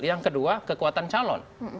yang kedua kekuatan calon